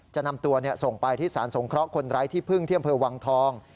จะนำตัวส่งไปที่สารสงเคราะห์คนไร้ที่พึ่งที่อำเภอวังทอง